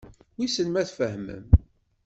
Wissen ma tfehmem.